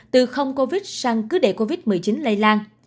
từ không covid sang cứ để covid một mươi chín lây lan